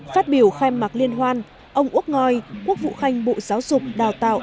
phát biểu khen mạc liên hoan ông úc ngòi quốc vụ khanh bộ giáo dục đào tạo